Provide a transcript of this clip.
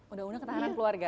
undang undang ketahanan keluarga